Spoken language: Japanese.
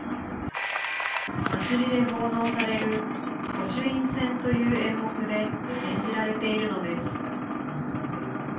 祭りで奉納される御朱印船という演目で演じられているのです。